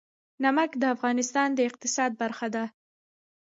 نمک د افغانستان د اقتصاد برخه ده.